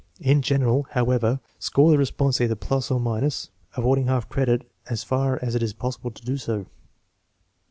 In general, however, score the response either + or , avoid ing half credit as far as it is possible to do so.